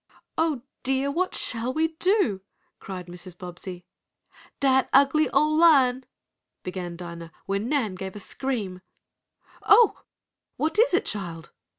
"Oh, dear! What shall we do!" cried Mrs. Bobbsey. "Dat ugly ole lion " began Dinah, when Nan gave a scream. "Oh, what is it, child?"